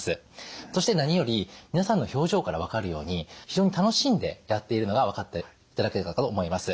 そして何より皆さんの表情から分かるように非常に楽しんでやっているのが分かっていただけるかと思います。